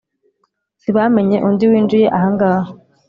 sibamenye undi winjiye ahangaha"